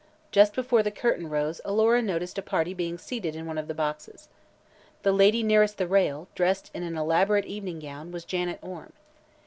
Just before the curtain rose Alora noticed a party being seated in one of the boxes. The lady nearest the rail, dressed in an elaborate evening gown, was Janet Orme.